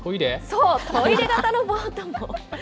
そう、トイレ型のボートも。